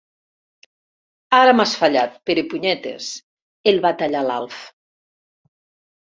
Ara m'has fallat, Perepunyetes —el va tallar l'Alf—.